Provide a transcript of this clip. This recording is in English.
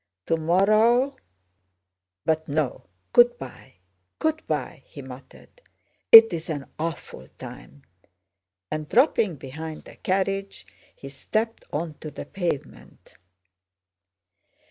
Tomorrow... But no! Good by, good by!" he muttered. "It's an awful time!" and dropping behind the carriage he stepped onto the pavement.